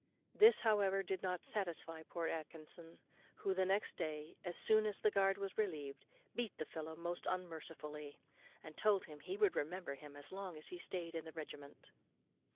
This, however, did not satisfy poor Atkinson, who, the next day, as soon as the guard was relieved, beat the fellow most unmercifully, and told him he would remember him as long as he stayed in the regiment.